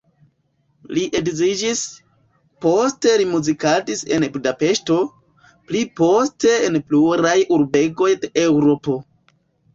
Li edziĝis, poste li muzikadis en Budapeŝto, pli poste en pluraj urbegoj de Eŭropo.